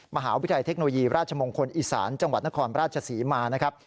มหาวิทยาลัยเทคโนโลยีราชมงคลอีสานจังหวัดนครราชศรีมานะครับ